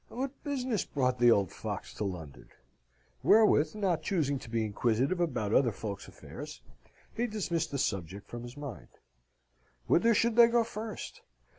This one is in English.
"What business brought the old fox to London?" Wherewith, not choosing to be inquisitive about other folks' affairs, he dismissed the subject from his mind. Whither should they go first?